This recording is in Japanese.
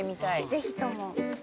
ぜひとも。